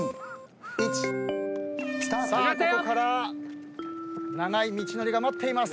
さあここから長い道のりが待っています。